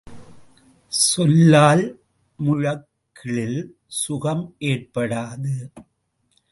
சொல்லால் முழக்கிளுல் சுகம் ஏற்படாது.